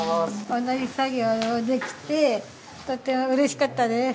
同じ作業ができてとてもうれしかったです。